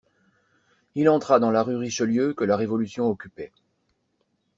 Il entra dans la rue Richelieu que la révolution occupait.